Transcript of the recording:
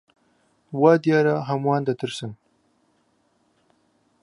وا دیارە هەمووان دەترسن.